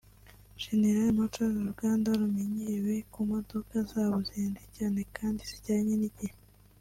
General Motors uruganda rumenyerewe ku modoka zabo zihenze cyane kandi zijyanye n’igihe